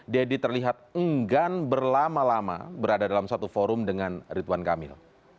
deddy terlihat enggan berlama lama berada dalam satu forum dengan ridwan kamil